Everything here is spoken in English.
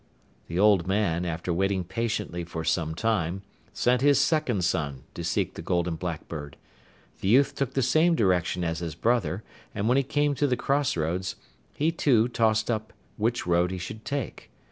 The old man, after waiting patiently for some time, sent his second son to seek the Golden Blackbird. The youth took the same direction as his brother, and when he came to the cross roads, he too tossed up which road he should take.